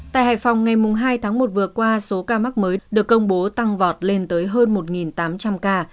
tại hải phòng ngày hai tháng một vừa qua số ca mắc mới được công bố tăng vọt lên tới hơn một tám trăm linh ca